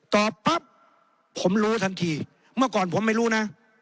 ตอบปั๊บผมรู้ทันทีเมื่อก่อนผมไม่รู้นะ